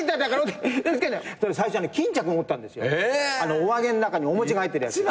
お揚げん中にお餅が入ってるやつ。